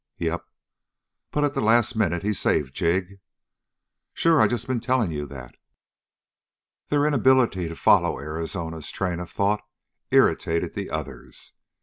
"Yep." "But at the last minute he saved Jig?" "Sure. I just been telling you that." Their inability to follow Arizona's train of thought irritated the others.